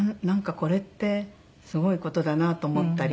これってすごい事だなと思ったり。